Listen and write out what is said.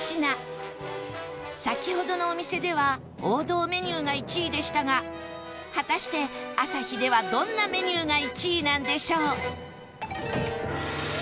先ほどのお店では王道メニューが１位でしたが果たしてあさひではどんなメニューが１位なんでしょう？